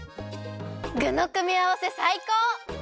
ぐのくみあわせさいこう！